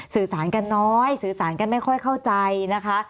สื่อสารกันน้อยสื่อสารกันไม่ค่อยเข้าใจนะคะ